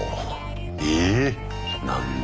ええ何だ？